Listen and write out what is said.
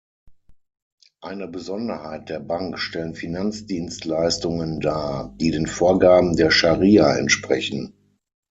Eine Besonderheit der Bank stellen Finanzdienstleistungen dar, die den Vorgaben der Scharia entsprechen.